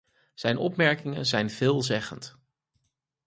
Zijn opmerkingen zijn veelzeggend.